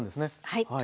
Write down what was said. はい。